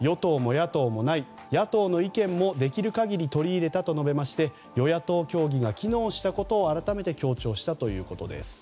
野党の意見もできる限り取り入れたと述べまして与野党協議が機能したことを改めて強調したということです。